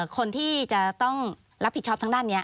คนที่จะต้องรับผิดชอบทางด้านนี้